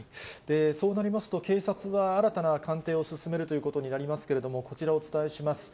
そうなりますと、警察は新たな鑑定を進めるということになりますけれども、こちら、お伝えします。